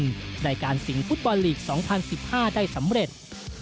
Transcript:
ในการสิงฟุตบอลลีก๒๐๑๕ได้สำเร็จ